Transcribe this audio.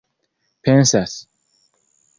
pensas